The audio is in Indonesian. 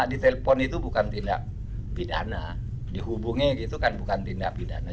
kalau saya di telpon itu bukan tindak pidana dihubungnya itu kan bukan tindak pidana